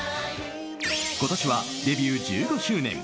今年はデビュー１５周年。